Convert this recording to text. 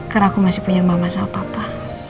karena aku masih punya mama sama papa